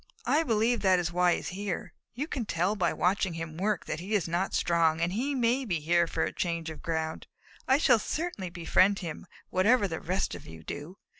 I believe that is why he is here. You can tell by watching him work that he is not strong, and he may be here for a change of ground. I shall certainly befriend him, whatever the rest of you do.